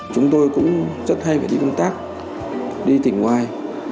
chúng tôi cũng rất hay phải đi công tác đi tìm ngoài